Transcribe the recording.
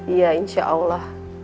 iya insya allah